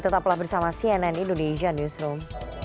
tetaplah bersama cnn indonesia newsroom